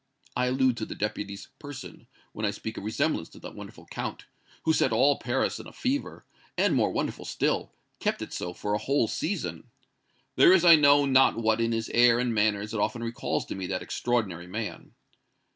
I allude to the Deputy's person, when I speak of resemblance to that wonderful Count, who set all Paris in a fever, and, more wonderful still, kept it so for a whole season. There is I know not what in his air and manners that often recalls to me that extraordinary man.